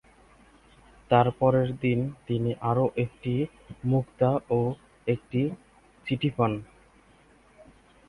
তার পরের দিন তিনি আরো একটি মুক্তা ও একটি চিঠি পান।